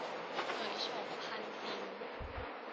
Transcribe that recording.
เผยโฉมคันจริง